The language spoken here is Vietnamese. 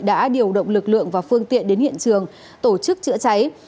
đã điều động lực lượng và phương tiện đến hiện trường tổ chức chữa cháy